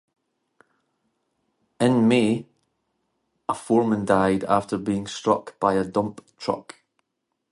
In May, a foreman died after being struck by a dump truck.